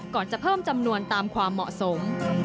จะเพิ่มจำนวนตามความเหมาะสม